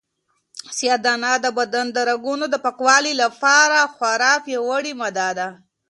سیاه دانه د بدن د رګونو د پاکوالي لپاره خورا پیاوړې ماده ده.